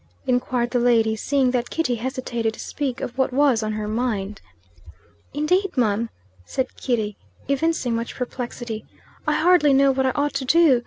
inquired the lady, seeing that Kitty hesitated to speak of what was on her mind. "Indade, mum," said Kitty, evincing much perplexity, "I hardly know what I ought to do.